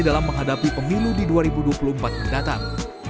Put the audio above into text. dalam menghadapi pemilu di dua ribu dua puluh empat mendatang